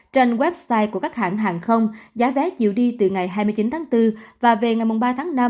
trên website của các hãng hàng không giá vé chiều đi từ ngày hai mươi chín tháng bốn và về ngày ba tháng năm